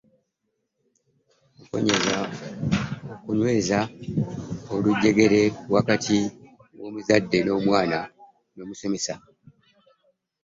Okunyweza olujegere wakati w'omuzadde, omwana n'omusomesa: